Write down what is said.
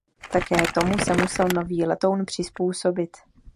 Také tomu se musel nový letoun přizpůsobit.